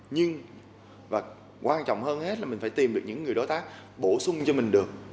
nhưng và quan trọng hơn hết là mình phải tìm được những người đối tác bổ sung cho mình được